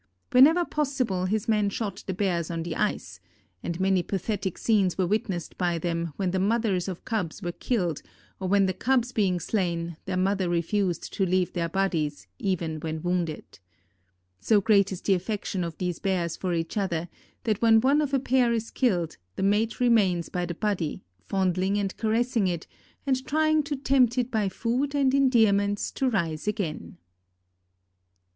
Whenever possible his men shot the bears on the ice, and many pathetic scenes were witnessed by them when the mothers of cubs were killed or when the cubs being slain, their mother refused to leave their bodies, even when wounded. So great is the affection of these bears for each other that when one of a pair is killed the mate remains by the body, fondling and caressing it and trying to tempt it by food and endearments to rise again.